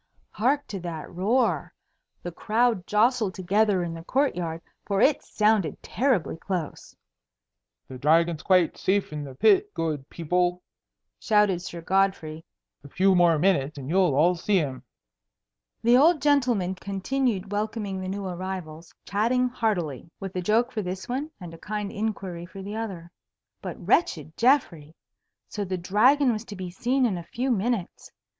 Hark to that roar! The crowd jostled together in the court yard, for it sounded terribly close. "The Dragon's quite safe in the pit, good people," shouted Sir Godfrey. "A few more minutes and you'll all see him." The old gentleman continued welcoming the new arrivals, chatting heartily, with a joke for this one and a kind inquiry for the other. But wretched Geoffrey! So the Dragon was to be seen in a few minutes!